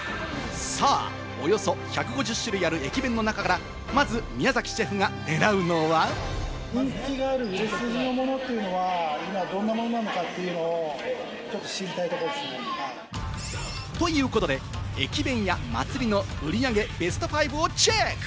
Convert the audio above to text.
およそ１５０種類ある駅弁の中からまず宮崎シェフが狙うのは。ということで「駅弁屋祭」の売り上げベスト５をチェック！